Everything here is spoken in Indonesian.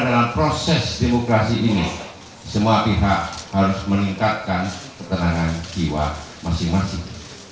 dalam proses demokrasi ini semua pihak harus meningkatkan ketenangan jiwa masing masing